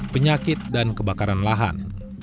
penyakit dan kebakaran lahan